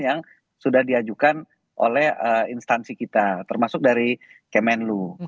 yang sudah diajukan oleh instansi kita termasuk dari kemenlu